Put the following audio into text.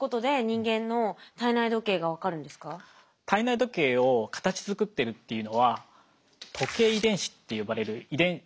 体内時計を形づくってるっていうのは時計遺伝子と呼ばれる遺伝子なんですよ。